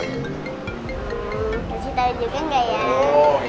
kasih tau juga gak ya